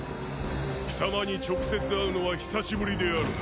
貴様に直接会うのは久しぶりであるな。